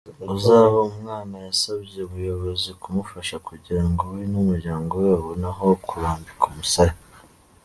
Uzabumwana yasabye ubuyobozi kumufasha kugira ngo we n’umuryango we babone aho kurambika umusaya.